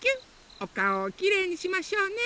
おかおをきれいにしましょうね！